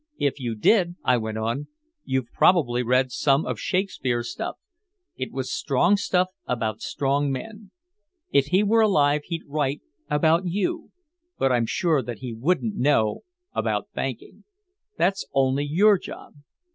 "If you did," I went on, "you've probably read some of Shakespeare's stuff. It was strong stuff about strong men. If he were alive he'd write about you, but I'm sure that he wouldn't know about banking. That's only your job."